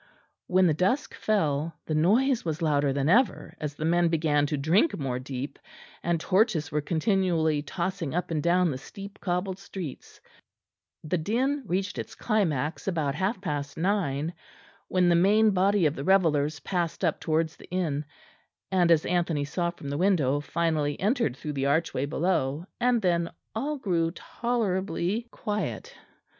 When the dusk fell the noise was louder than ever as the men began to drink more deep, and torches were continually tossing up and down the steep cobbled streets; the din reached its climax about half past nine, when the main body of the revellers passed up towards the inn, and, as Anthony saw from the window, finally entered through the archway below; and then all grew tolerably quiet.